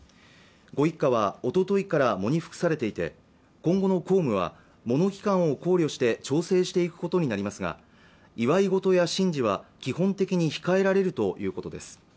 ご一家はおとといから喪に服されていて今後の公務は喪の期間を考慮して調整していくことになりますが祝い事や神事は基本的に控えられるということです